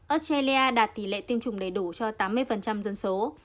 australia đạt tỷ lệ tiêm chủng đầy đủ cho tám mươi dân số